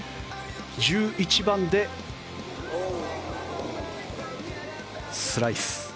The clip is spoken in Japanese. １１番でスライス。